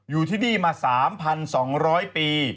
อยู่ที่นี่มา๓๒๐๐ปี